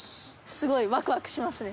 すごいワクワクしますね